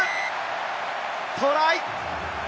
トライ！